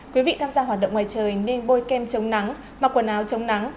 quý vị tham gia hoạt động ngoài trời nên bôi kem chống nắng mặc quần áo chống nắng